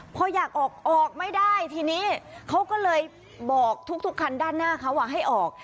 พออยากออกออกไม่ได้ทีนี้เขาก็เลยบอกทุกคันด้านหน้าเขาว่าให้ออก